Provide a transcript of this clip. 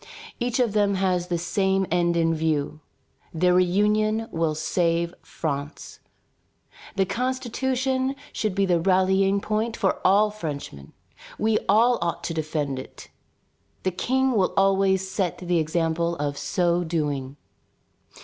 Each of them has the same end in view. Their reunion will save France. The Constitution should be the rallying point for all Frenchmen. We all ought to defend it. The King will always set the example of so doing."